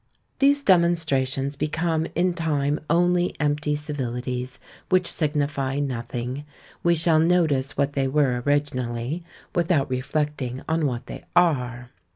These demonstrations become in time only empty civilities, which signify nothing; we shall notice what they were originally, without reflecting on what they are.